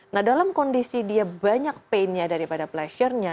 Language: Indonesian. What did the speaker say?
nah dalam kondisi dia banyak painnya daripada pleasure nya